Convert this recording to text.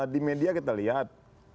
di media kita lihat